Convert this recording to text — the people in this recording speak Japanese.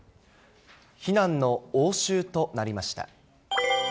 非難の応酬となりました。